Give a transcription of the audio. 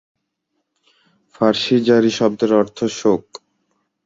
ফার্সি জারি শব্দের অর্থ শোক।